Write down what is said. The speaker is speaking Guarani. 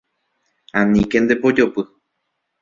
Aníke ndepojopy.